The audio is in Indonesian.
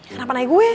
kenapa naik gue